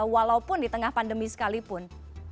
walaupun di tengah pandemi sekalipun